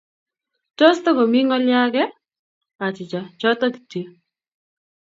"Tos, tigomi ngolyoo age?"Achicha, choto kityo